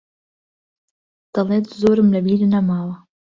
دەڵێت زۆرم لەبیر نەماوە.